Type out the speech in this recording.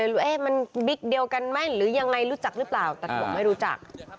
ที่รู้มันกันแม่งรู้จักหรือเปล่าแต่ผมไม่รู้จัก